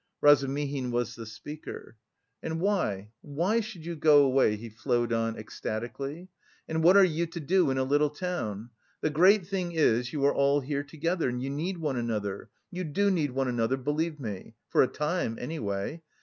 Razumihin was the speaker. "And why, why should you go away?" he flowed on ecstatically. "And what are you to do in a little town? The great thing is, you are all here together and you need one another you do need one another, believe me. For a time, anyway....